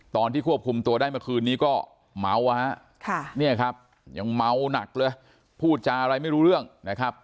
ตอนที่ควบคุมตัวได้เมื่อคืนนี้ก็เมาอ่ะฮะเนี่ยครับยังเมาหนักเลยพูดจาอะไรไม่รู้เรื่องนะครับ